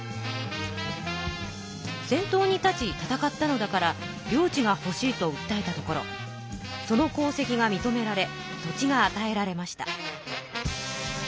先頭に立ち戦ったのだから領地がほしいとうったえたところその功績がみとめられ土地があたえられました。